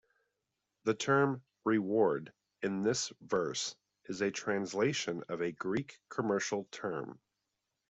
The term "reward" in this verse is a translation of a Greek commercial term.